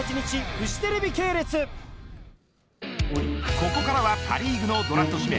ここからはパ・リーグのドラフト指名